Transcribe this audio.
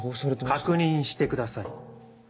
確認してください。